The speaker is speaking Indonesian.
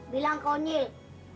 bilang ke onyil